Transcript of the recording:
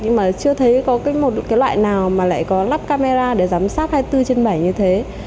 nhưng chưa thấy có loại nào có lắp camera để giám sát hai mươi bốn trên bảy như thế